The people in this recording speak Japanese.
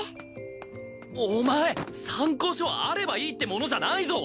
お前参考書はあればいいってものじゃないぞ？